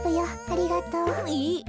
ありがとう。えっ？